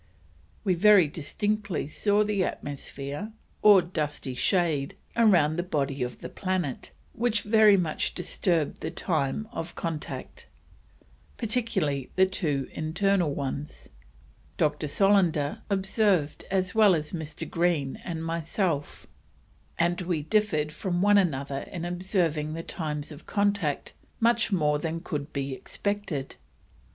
We very distinctly saw the atmosphere or Dusky Shade round the body of the planet, which very much disturbed the time of contact, particularly the two internal ones. Dr. Solander observed as well as Mr. Green and myself, and we differ'd from one another in observing the times of contact much more than could be expected. Mr.